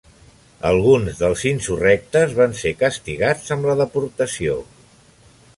Alguns dels insurrectes van ser castigats amb la deportació.